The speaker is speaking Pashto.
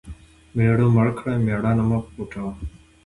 مېړه مړ کړه مېړانه مه پوټوه .